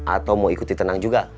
atau mau ikut ditendang juga